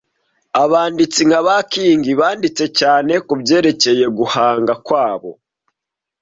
Abanditsi nka Kingi banditse cyane kubyerekeye guhanga kwabo